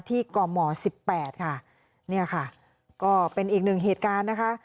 กมสิบแปดค่ะเนี่ยค่ะก็เป็นอีกหนึ่งเหตุการณ์นะคะ